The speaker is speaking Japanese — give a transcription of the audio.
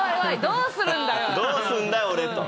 どうすんだ俺と。